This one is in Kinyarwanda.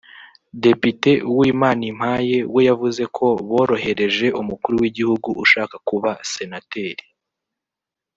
Depite Uwimanimpaye we yavuze ko borohereje Umukuru w’ Igihugu ushaka kuba Senateri